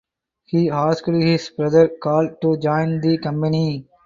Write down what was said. He asked his brother Carl to join the company.